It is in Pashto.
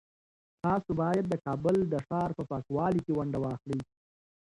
تاسو باید د کابل د ښار په پاکوالي کي ونډه واخلئ.